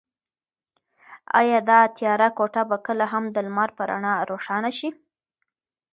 ایا دا تیاره کوټه به کله هم د لمر په رڼا روښانه شي؟